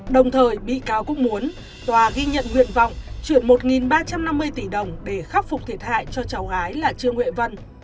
đồng thời bị cáo cũng muốn tòa ghi nhận nguyện vọng chuyển một ba trăm năm mươi tỷ đồng để khắc phục thiệt hại cho cháu gái là trương huệ vân